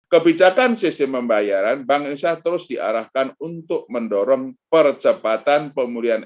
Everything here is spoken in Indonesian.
kebijakan sistem pembayaran bank indonesia terus diarahkan untuk mendorong percepatan pemulihan